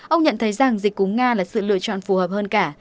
ông nhận thấy rằng dịch cúng nga là sự lựa chọn phù hợp hơn cả